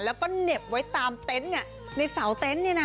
แล้วก็เหน็บไว้ตามเต็นต์ในเสาเต็นต์